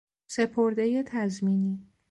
سپردهی تضمینی